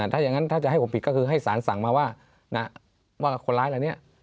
ถ้าอย่างนั้นถ้าจะให้ผมผิดก็คือให้สารสั่งมาว่าคนร้ายเหล่านี้